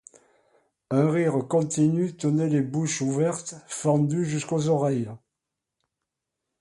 Un rire continu tenait les bouches ouvertes, fendues jusqu'aux oreilles.